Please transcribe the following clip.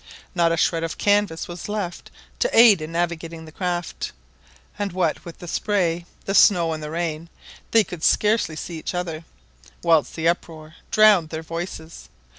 Not a shred of canvas was left to aid in navigating the craft; and what with the spray, the snow, and the rain, they could scarcely see each other, whilst the uproar drowned their voices.